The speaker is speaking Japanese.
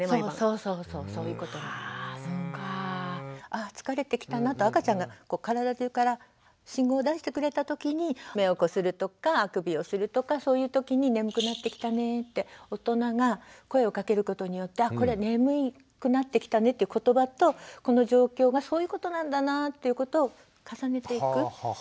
ああ疲れてきたなと赤ちゃんが体じゅうから信号を出してくれた時に目をこするとかあくびをするとかそういう時に「眠くなってきたね」って大人が声をかけることによってあこれ「眠くなってきたね」って言葉とこの状況がそういうことなんだなということを重ねていく。